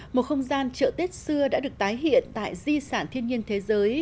một không gian chợ tết xưa đã được tái hiện tại di sản thiên nhiên thế giới